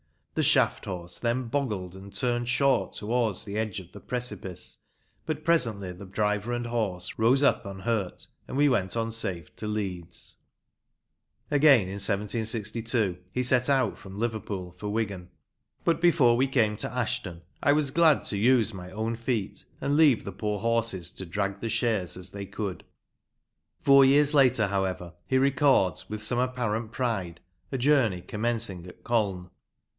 The shaft horse then boggled and turned short toward the edge of the precipice ; but presently the driver and horse rose up unhurt and we went on safe to Leeds. Again, in April, 1762, he set out from Liverpool for Wigan. OLD TIME TRAVEL IN LANCASHIRE 69 But before we came to Ashton I was glad to use my own feet, and leave the poor horses to drag the chaise as they could. Four years later, however, he records,' with some apparent pride, a journey commencing at Colne.